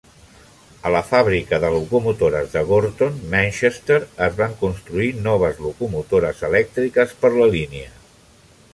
A la fàbrica de locomotores de Gorton, Manchester, es van construir noves locomotores elèctriques per la línia.